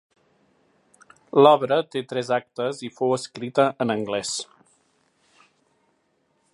L'obra té tres actes i fou escrita en anglès.